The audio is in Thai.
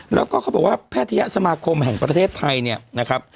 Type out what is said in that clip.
แล้วก็เขาบอกว่าแพทยสมาคมแห่งประเทศไทยเนี่ยนะครับ